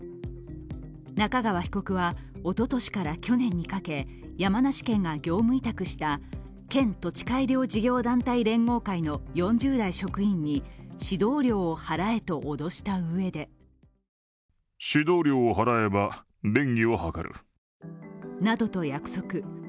仲川被告は、おととしから去年にかけ山梨県が業務委託した県土地改良事業団体連合会の４０代職員に指導料を払えと脅したうえでなどと約束。